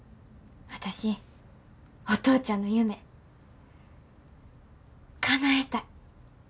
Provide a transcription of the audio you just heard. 私お父ちゃんの夢かなえたい。